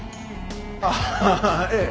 ああええ。